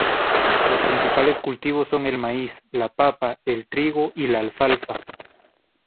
Los principales cultivos son el maíz, la papa, el trigo y la alfalfa.